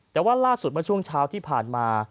แต่ว่าล่าสุดเมื่อช่วงเช้าที่ผ่านมา